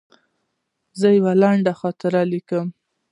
زه یوه لنډه خاطره لیکم.